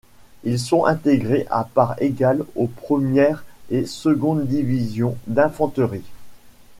Ils sont intégrés à part égale aux première et seconde divisions d'infanterie.